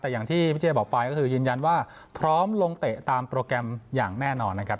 แต่อย่างที่พี่เจบอกไปก็คือยืนยันว่าพร้อมลงเตะตามโปรแกรมอย่างแน่นอนนะครับ